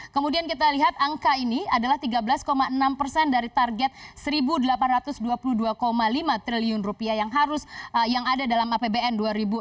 kemudian kita lihat angka ini adalah tiga belas enam persen dari target rp satu delapan ratus dua puluh dua lima triliun yang ada dalam apbn dua ribu enam belas